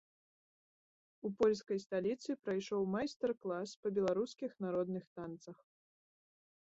У польскай сталіцы прайшоў майстар-клас па беларускіх народных танцах.